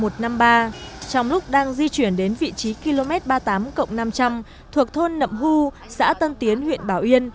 trong lúc đang di chuyển đến vị trí km ba mươi tám năm trăm linh thuộc thôn nậm hu xã tân tiến huyện bảo yên